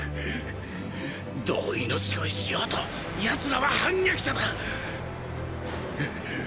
どう命乞いしようとヤツらは反逆者だ！